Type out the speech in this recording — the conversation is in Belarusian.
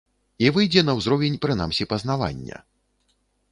І выйдзе на ўзровень прынамсі пазнавання.